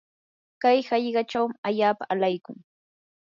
kay hallqachaw allaapam alaykun.